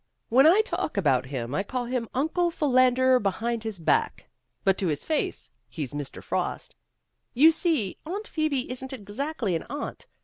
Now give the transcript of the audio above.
11 When I talk about him, I call him, 'Uncle Philander Behind His Back.' But to his face, he's Mr. Frost. You see, Aunt Phoebe isn't exactly an aunt.